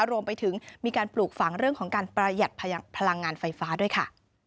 รวมไปถึงมีการปลูกฝังเรื่องของการประหยัดพลังงานไฟฟ้าด้วยค่ะ